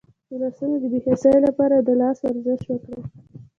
د لاسونو د بې حسی لپاره د لاس ورزش وکړئ